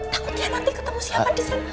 takut dia nanti ketemu siapa disana